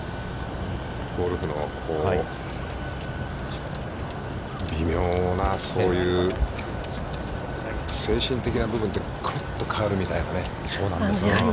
ゴルフの微妙な、そういう精神的な部分って、ころっと変わるみたいなね。